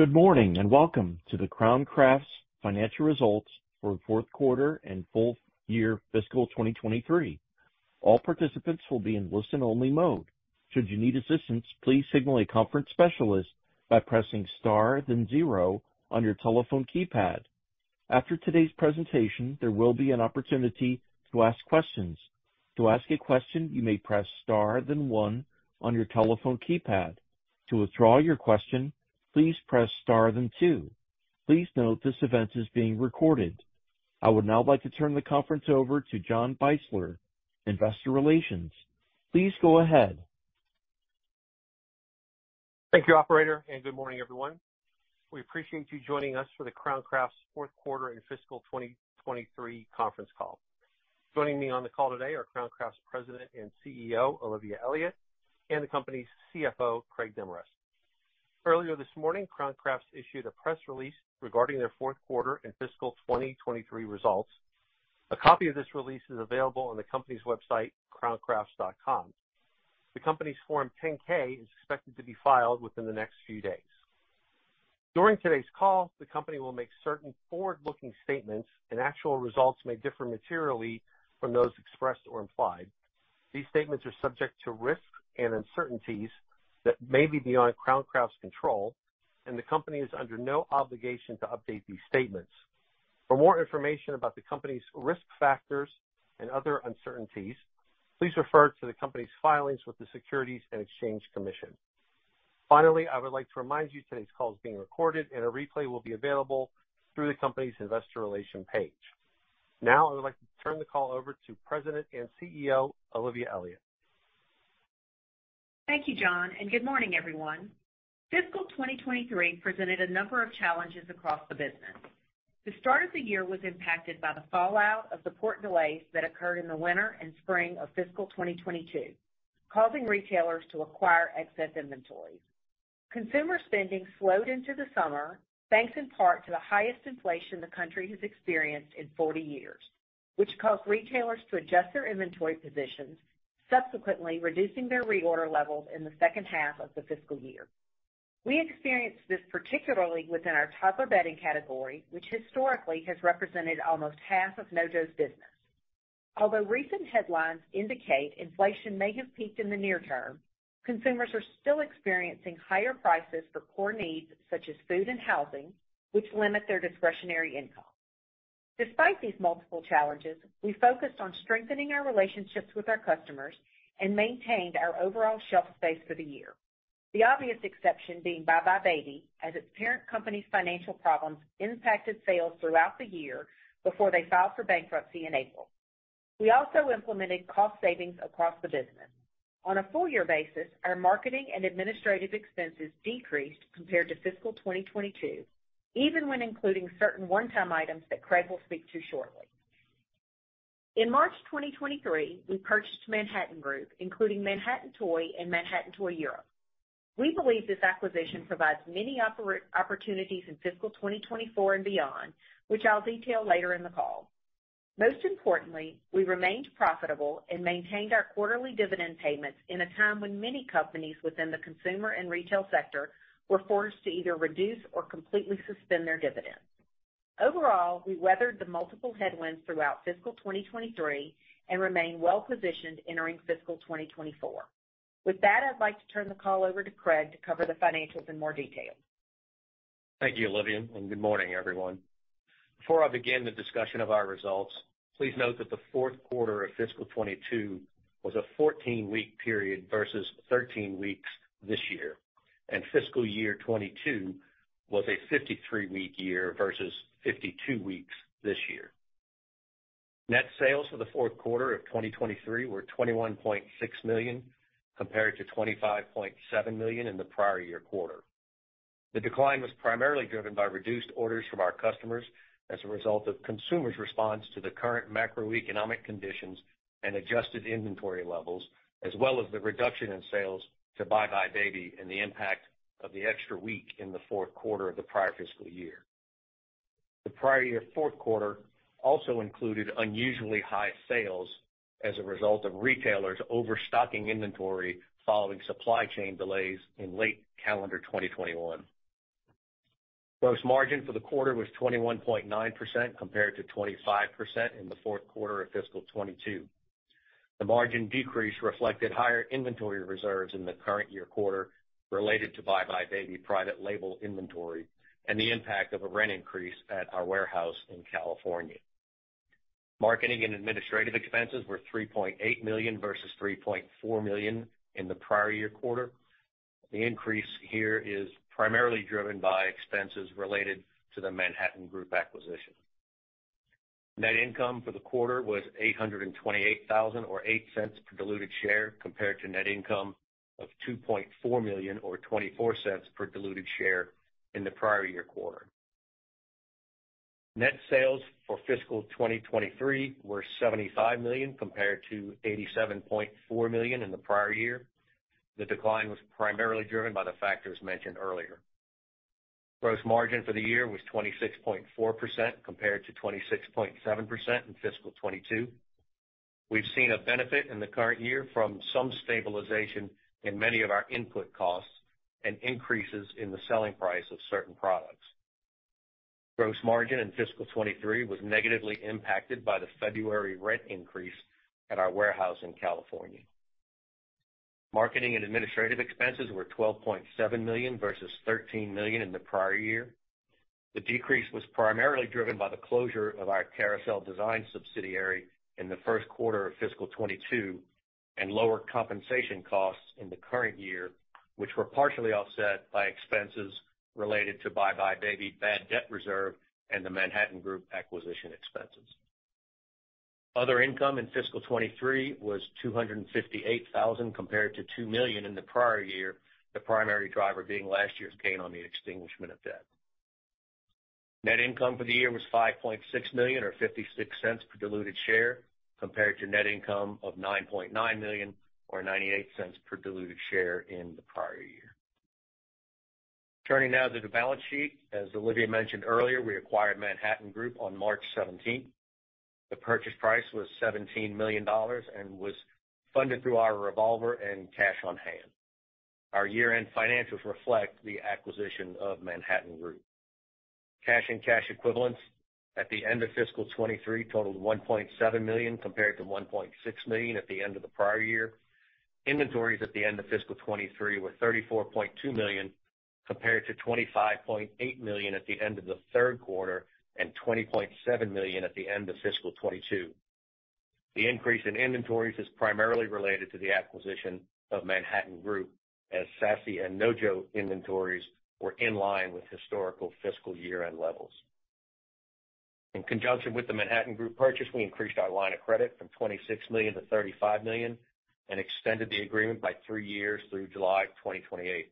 Good morning, and welcome to the Crown Crafts financial results for the fourth quarter and full year fiscal 2023. All participants will be in listen-only mode. Should you need assistance, please signal a conference specialist by pressing star, then zero on your telephone keypad. After today's presentation, there will be an opportunity to ask questions. To ask a question, you may press star then one on your telephone keypad. To withdraw your question, please press star then two. Please note, this event is being recorded. I would now like to turn the conference over to John Beisler, Investor Relations. Please go ahead. Thank you, operator. Good morning, everyone. We appreciate you joining us for the Crown Crafts fourth quarter and fiscal 2023 conference call. Joining me on the call today are Crown Crafts President and CEO, Olivia Elliott, and the company's CFO, Craig Demarest. Earlier this morning, Crown Crafts issued a press release regarding their fourth quarter and fiscal 2023 results. A copy of this release is available on the company's website, crowncrafts.com. The company's Form 10-K is expected to be filed within the next few days. During today's call, the company will make certain forward-looking statements and actual results may differ materially from those expressed or implied. These statements are subject to risks and uncertainties that may be beyond Crown Crafts' control, and the company is under no obligation to update these statements. For more information about the company's risk factors and other uncertainties, please refer to the company's filings with the Securities and Exchange Commission. I would like to remind you today's call is being recorded, and a replay will be available through the company's investor relation page. I would like to turn the call over to President and CEO, Olivia Elliott. Thank you, John, and good morning, everyone. Fiscal 2023 presented a number of challenges across the business. The start of the year was impacted by the fallout of the port delays that occurred in the winter and spring of fiscal 2022, causing retailers to acquire excess inventories. Consumer spending slowed into the summer, thanks in part to the highest inflation the country has experienced in 40 years, which caused retailers to adjust their inventory positions, subsequently reducing their reorder levels in the second half of the fiscal year. We experienced this particularly within our toddler bedding category, which historically has represented almost half of NoJo's business. Although recent headlines indicate inflation may have peaked in the near term, consumers are still experiencing higher prices for core needs such as food and housing, which limit their discretionary income. Despite these multiple challenges, we focused on strengthening our relationships with our customers and maintained our overall shelf space for the year. The obvious exception being buybuy BABY, as its parent company's financial problems impacted sales throughout the year before they filed for bankruptcy in April. We also implemented cost savings across the business. On a full year basis, our marketing and administrative expenses decreased compared to fiscal 2022, even when including certain one-time items that Craig will speak to shortly. In March 2023, we purchased Manhattan Group, including Manhattan Toy and Manhattan Toy Europe. We believe this acquisition provides many opportunities in fiscal 2024 and beyond, which I'll detail later in the call. Most importantly, we remained profitable and maintained our quarterly dividend payments in a time when many companies within the consumer and retail sector were forced to either reduce or completely suspend their dividends. Overall, we weathered the multiple headwinds throughout fiscal 2023 and remain well-positioned entering fiscal 2024. With that, I'd like to turn the call over to Craig to cover the financials in more detail. Thank you, Olivia. Good morning, everyone. Before I begin the discussion of our results, please note that the fourth quarter of fiscal 2022 was a 14-week period versus 13 weeks this year, and fiscal year 2022 was a 53-week year versus 52 weeks this year. Net sales for the fourth quarter of 2023 were $21.6 million, compared to $25.7 million in the prior year quarter. The decline was primarily driven by reduced orders from our customers as a result of consumers' response to the current macroeconomic conditions and adjusted inventory levels, as well as the reduction in sales to buybuy BABY and the impact of the extra week in the fourth quarter of the prior fiscal year. The prior year fourth quarter also included unusually high sales as a result of retailers overstocking inventory following supply chain delays in late calendar 2021. Gross margin for the quarter was 21.9%, compared to 25% in the fourth quarter of fiscal 2022. The margin decrease reflected higher inventory reserves in the current year quarter related to buybuy BABY private label inventory and the impact of a rent increase at our warehouse in California. Marketing and administrative expenses were $3.8 million versus $3.4 million in the prior year quarter. The increase here is primarily driven by expenses related to the Manhattan Group acquisition. Net income for the quarter was $828,000, or $0.08 per diluted share, compared to net income of $2.4 million, or $0.24 per diluted share in the prior year quarter. Net sales for fiscal 2023 were $75 million, compared to $87.4 million in the prior year. The decline was primarily driven by the factors mentioned earlier. Gross margin for the year was 26.4%, compared to 26.7% in fiscal 2022. We've seen a benefit in the current year from some stabilization in many of our input costs and increases in the selling price of certain products. Gross margin in fiscal 2023 was negatively impacted by the February rent increase at our warehouse in California. Marketing and administrative expenses were $12.7 million versus $13 million in the prior year. The decrease was primarily driven by the closure of our Carousel Designs subsidiary in the first quarter of fiscal 2022, and lower compensation costs in the current year, which were partially offset by expenses related to buybuy BABY bad debt reserve and the Manhattan Group acquisition expenses. Other income in fiscal 2023 was $258,000, compared to $2 million in the prior year, the primary driver being last year's gain on the extinguishment of debt. Net income for the year was $5.6 million, or $0.56 per diluted share, compared to net income of $9.9 million or $0.98 per diluted share in the prior year. Turning now to the balance sheet. As Olivia mentioned earlier, we acquired Manhattan Group on March 17th. The purchase price was $17 million and was funded through our revolver and cash on hand. Our year-end financials reflect the acquisition of Manhattan Group. Cash and cash equivalents at the end of fiscal 2023 totaled $1.7 million, compared to $1.6 million at the end of the prior year. Inventories at the end of fiscal 2023 were $34.2 million, compared to $25.8 million at the end of the third quarter and $20.7 million at the end of fiscal 2022. The increase in inventories is primarily related to the acquisition of Manhattan Group, as Sassy and NoJo inventories were in line with historical fiscal year-end levels. In conjunction with the Manhattan Group purchase, we increased our line of credit from $26 million-$35 million and extended the agreement by three years through July 2028.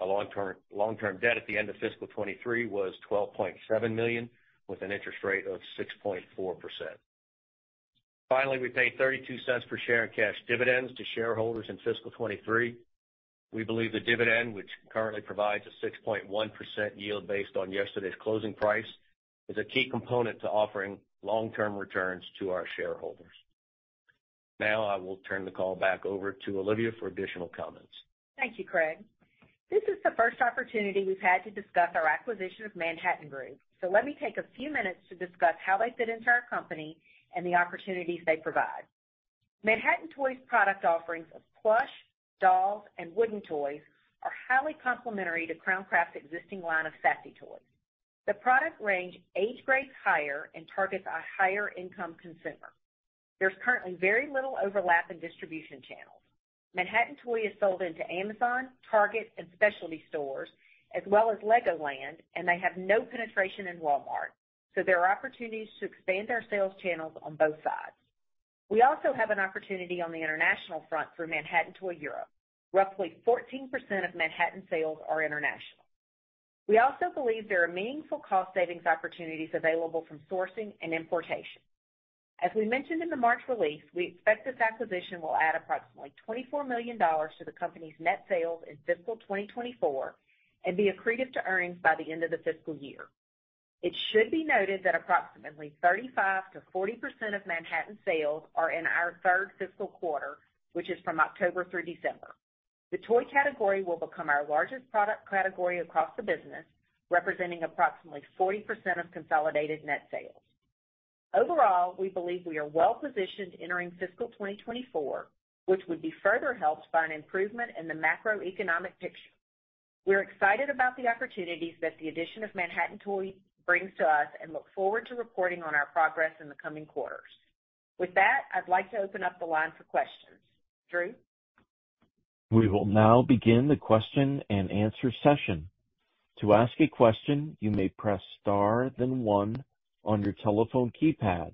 Our long-term debt at the end of fiscal 2023 was $12.7 million, with an interest rate of 6.4%. We paid $0.32 per share in cash dividends to shareholders in fiscal 2023. We believe the dividend, which currently provides a 6.1% yield based on yesterday's closing price, is a key component to offering long-term returns to our shareholders. I will turn the call back over to Olivia for additional comments. Thank you, Craig. This is the first opportunity we've had to discuss our acquisition of Manhattan Group. Let me take a few minutes to discuss how they fit into our company and the opportunities they provide. Manhattan Toy's product offerings of plush, dolls, and wooden toys are highly complementary to Crown Crafts' existing line of Sassy toys. The product range age grades higher and targets a higher income consumer. There's currently very little overlap in distribution channels. Manhattan Toy is sold into Amazon, Target, and specialty stores, as well as LEGOLAND, and they have no penetration in Walmart. There are opportunities to expand their sales channels on both sides. We also have an opportunity on the international front through Manhattan Toy Europe. Roughly 14% of Manhattan sales are international. We also believe there are meaningful cost savings opportunities available from sourcing and importation. As we mentioned in the March release, we expect this acquisition will add approximately $24 million to the company's net sales in fiscal 2024 and be accretive to earnings by the end of the fiscal year. It should be noted that approximately 35%-40% of Manhattan sales are in our third fiscal quarter, which is from October through December. The toy category will become our largest product category across the business, representing approximately 40% of consolidated net sales. Overall, we believe we are well-positioned entering fiscal 2024, which would be further helped by an improvement in the macroeconomic picture. We're excited about the opportunities that the addition of Manhattan Toy brings to us and look forward to reporting on our progress in the coming quarters. With that, I'd like to open up the line for questions. Drew? We will now begin the question-and-answer session. To ask a question, you may press star, then one on your telephone keypad.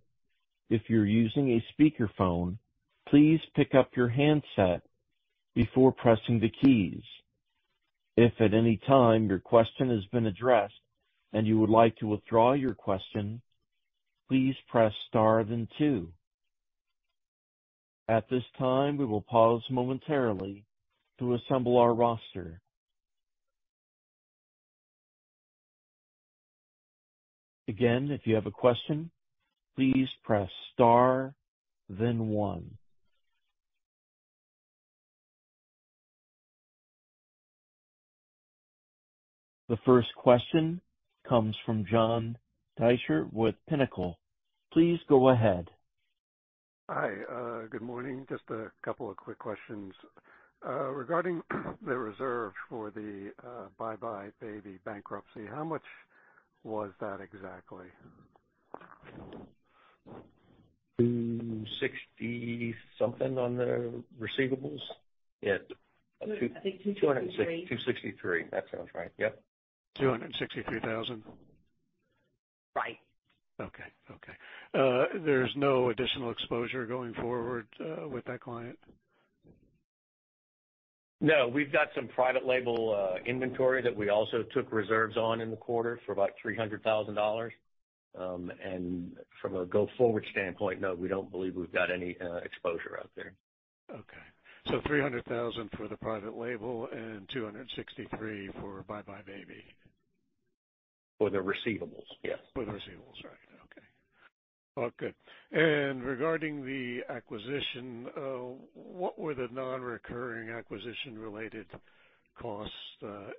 If you're using a speakerphone, please pick up your handset before pressing the keys. If at any time your question has been addressed and you would like to withdraw your question, please press star, then two. At this time, we will pause momentarily to assemble our roster. Again, if you have a question, please press star, then one. The first question comes from John Deysher with Pinnacle. Please go ahead. Good morning. Just a couple of quick questions. Regarding the reserve for the buybuy BABY bankruptcy, how much was that exactly? $260 something on the receivables? Yeah. I think $263. $263. That sounds right. Yep. $263,000? Right. Okay. Okay. There's no additional exposure going forward with that client? No, we've got some private label inventory that we also took reserves on in the quarter for about $300,000. From a go-forward standpoint, no, we don't believe we've got any exposure out there. Okay. $300,000 for the private label and $263 for buybuy BABY. For the receivables? Yes. For the receivables, right. Okay. All good. Regarding the acquisition, what were the non-recurring acquisition-related costs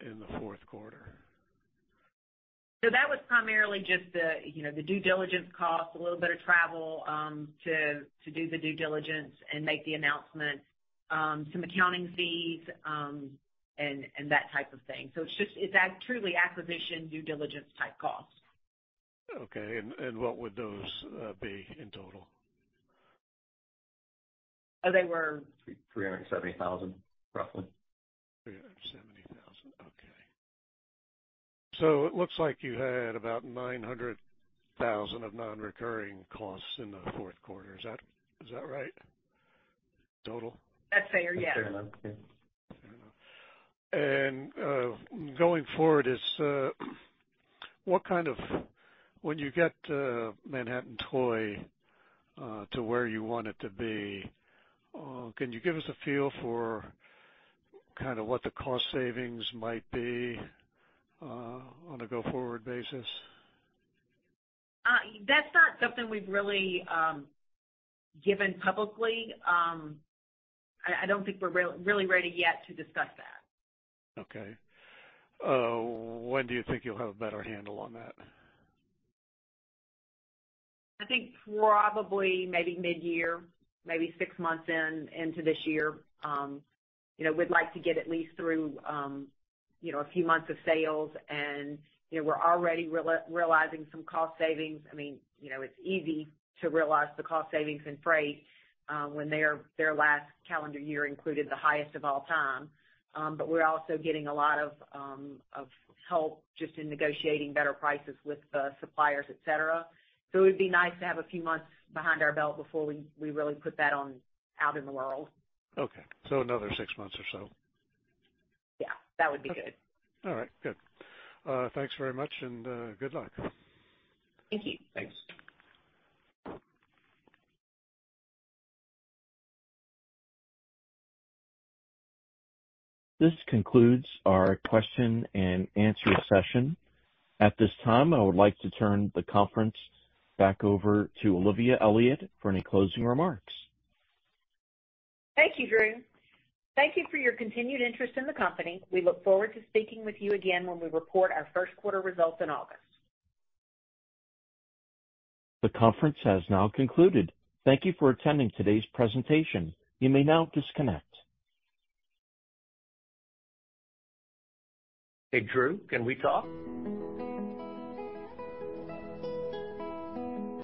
in the fourth quarter? That was primarily just the, you know, the due diligence costs, a little bit of travel, to do the due diligence and make the announcement, some accounting fees, and that type of thing. It's just, it's truly acquisition, due diligence type costs. Okay. What would those be in total? They were- $370,000, roughly. $370,000. Okay. It looks like you had about $900,000 of non-recurring costs in the fourth quarter. Is that right? Total. That's fair, yeah. Fair enough, yeah. Going forward, is, when you get Manhattan Toy to where you want it to be, can you give us a feel for kind of what the cost savings might be, on a go-forward basis? That's not something we've really given publicly. I don't think we're really ready yet to discuss that. Okay. When do you think you'll have a better handle on that? I think probably maybe mid-year, maybe six months in into this year. You know, we'd like to get at least through, you know, a few months of sales, and, you know, we're already realizing some cost savings. I mean, you know, it's easy to realize the cost savings in freight, when their last calendar year included the highest of all time. We're also getting a lot of help just in negotiating better prices with the suppliers, et cetera. It would be nice to have a few months behind our belt before we really put that on out in the world. Okay. Another six months or so? Yeah, that would be good. All right, good. Thanks very much, and, good luck. Thank you. Thanks. This concludes our question-and-answer session. At this time, I would like to turn the conference back over to Olivia Elliott for any closing remarks. Thank you, Drew. Thank you for your continued interest in the company. We look forward to speaking with you again when we report our first quarter results in August. The conference has now concluded. Thank you for attending today's presentation. You may now disconnect. Drew, can we talk?